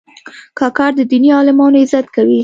کاکړ د دیني عالمانو عزت کوي.